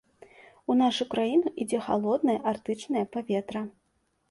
У нашу краіну ідзе халоднае арктычнае паветра.